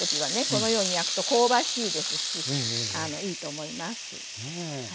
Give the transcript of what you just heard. このように焼くと香ばしいですしいいと思います。